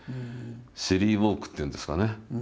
「シリーウォーク」っていうんですかね。